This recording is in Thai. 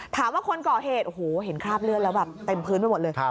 คนก่อเหตุโอ้โหเห็นคราบเลือดแล้วแบบเต็มพื้นไปหมดเลย